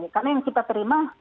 karena yang kita terima